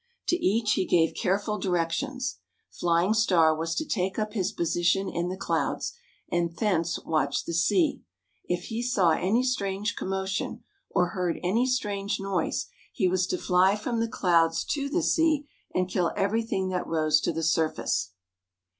To each he gave careful directions: Flying Star was to take up his position in the clouds, and thence watch the sea; if he saw any strange commotion, or heard any strange noise, he was to fly from the clouds to the sea, and kill everything that rose to the surface.